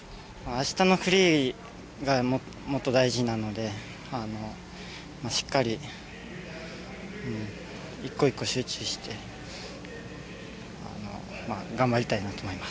明日のフリーがもっと大事なのでしっかり１個１個集中してあの頑張りたいなと思います。